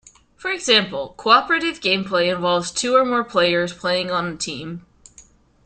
For example, "cooperative" gameplay involves two or more players playing on a team.